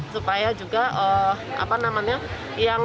supaya juga apa namanya